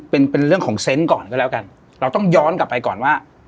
เป็นเป็นเรื่องของเซนต์ก่อนก็แล้วกันเราต้องย้อนกลับไปก่อนว่า